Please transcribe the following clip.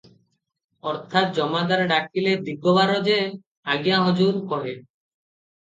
ଅର୍ଥାତ୍ ଜମାଦାର ଡାକିଲେ ଦିଗବାର ଯେ 'ଆଜ୍ଞା ହଜୁର' କହେ